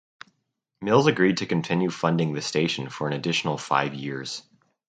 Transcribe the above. Mills agreed to continue funding the station for an additional five years.